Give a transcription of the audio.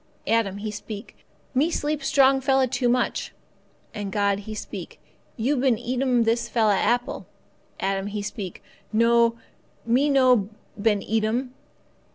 Adam he speak, 'Me sleep strong fella too much.' And God He speak, 'You been eat 'm this fella apple.' Adam he speak, 'No, me no been eat 'm.